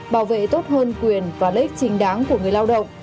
bảo vệ tốt hơn quyền và lợi ích chính đáng của người lao động